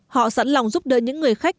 họ sẵn lòng giúp đỡ những người khách